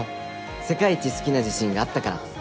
世界一好きな自信があったから。